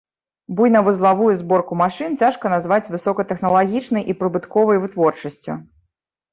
Буйнавузлавую зборку машын цяжка назваць высокатэхналагічнай і прыбытковай вытворчасцю.